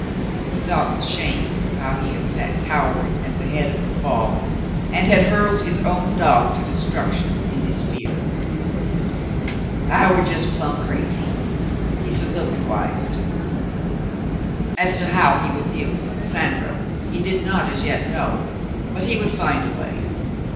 He thought with shame of how he had sat cowering at the head of the fall, and had hurled his own dog to destruction, in his fear. " I war jes' plumb crazy," he soliloquized. As to how he could deal with Cassandra, he did not as yet know, but he would find a way.